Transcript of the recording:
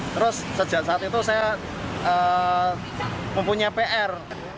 terus sejak saat itu saya mempunyai pr